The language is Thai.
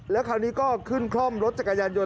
แล้วคราวนี้ก็ขึ้นคล่อมรถจักรยานยน